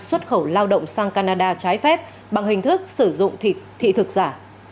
xuất khẩu lao động sang canada trái phép bằng hình thức sử dụng thịt thực giả